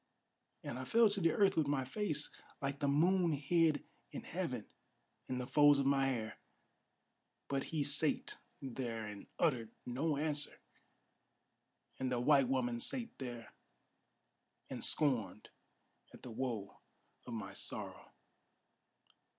And I fell to the earth with my face, like the moon hid in heaven, In the folds of my hair. But he sate there and uttered no answer; And the white woman sate there, and scorned at the woe of my sorrow.